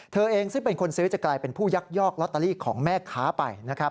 เธอเองซึ่งเป็นคนซื้อจะกลายเป็นผู้ยักยอกลอตเตอรี่ของแม่ค้าไปนะครับ